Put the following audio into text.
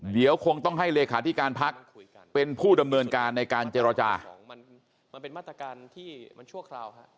เดี๋ยวคงต้องให้เลขาที่การพักเป็นผู้ดำเนินการในการเจรจา